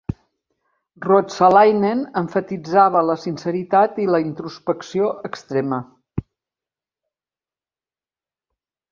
Ruotsalainen emfatitzava la sinceritat i la introspecció extrema.